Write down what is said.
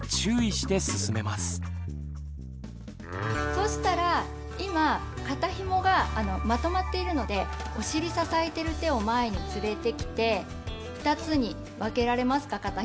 そしたら今肩ひもがまとまっているのでお尻支えてる手を前に連れてきて２つに分けられますか肩ひも。